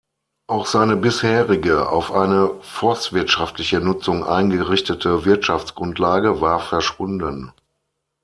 Auch seine bisherige auf eine forstwirtschaftliche Nutzung eingerichtete Wirtschaftsgrundlage war verschwunden.